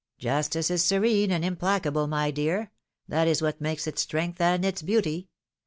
Justice is serene and implacable, my dear; that is what makes its strength and its beauty!